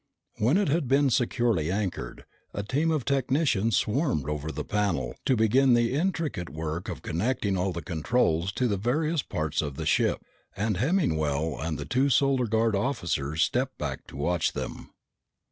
When it had been securely anchored, a team of technicians swarmed over the panel to begin the intricate work of connecting all the controls to the various parts of the ship, and Hemmingwell and the two Solar Guard officers stepped back to watch them.